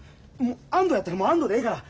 安藤やったらもう安藤でええから。